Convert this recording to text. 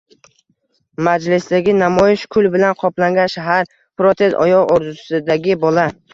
Masjiddagi namoyish, kul bilan qoplangan shahar, protez oyoq orzusidagi bola